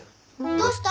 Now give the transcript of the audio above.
どうした？